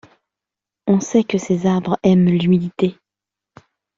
On sait que ces arbres aiment l’humidité.